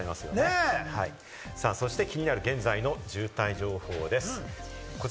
さあ、そして気になる現在の渋滞情報です。